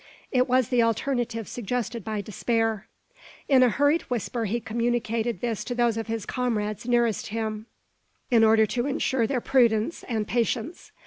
It was the alternative suggested by despair. In a hurried whisper he communicated this to those of his comrades nearest him, in order to insure their prudence and patience.